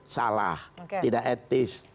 salah tidak etis